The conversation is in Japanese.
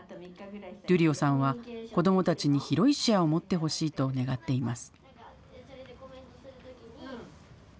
デュリオさんは子どもたちに広い視野を持ってほしいと願っています。